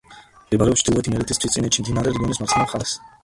მდებარეობს ჩრდილოეთ იმერეთის მთისწინეთში, მდინარე რიონის მარცხენა მხარეს.